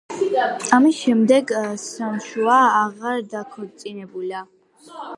ამის შემდეგ სანშუ აღარ დაქორწინებულა.